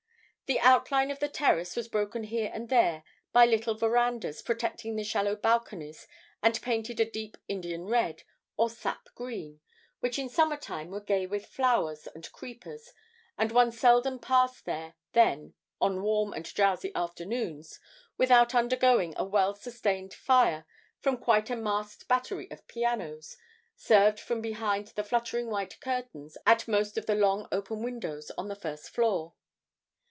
The outline of the terrace was broken here and there by little verandahs protecting the shallow balconies and painted a deep Indian red or sap green, which in summer time were gay with flowers and creepers, and one seldom passed there then on warm and drowsy afternoons without undergoing a well sustained fire from quite a masked battery of pianos, served from behind the fluttering white curtains at most of the long open windows on the first floor.